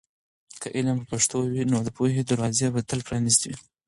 که علم په پښتو وي، نو د پوهې دروازې به تل پرانیستې وي.